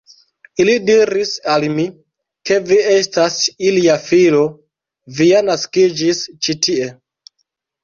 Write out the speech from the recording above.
Ili diris al mi, ke vi estas ilia filo, vi ja naskiĝis tie ĉi.